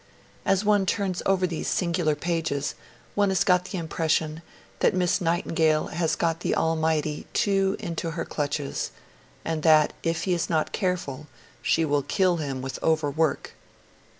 As one turns over these singular pages, one has the impression that Miss Nightingale has got the Almighty too into her clutches, and that, if He is not careful, she will kill Him with overwork.